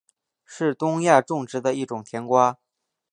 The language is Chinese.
是东亚种植的一种甜瓜。